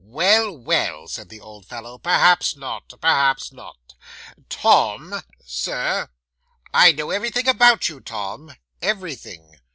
'"Well, well," said the old fellow, "perhaps not perhaps not. Tom " '"Sir " '"I know everything about you, Tom; everything.